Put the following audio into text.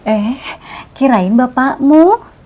eh kirain bapakmu